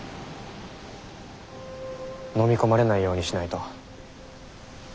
のみ込まれないようにしないと。